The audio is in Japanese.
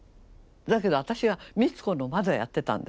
だけど私が「光子の窓」やってたんです。